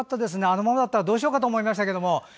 あのままだったらどうしようかと思いましたけども。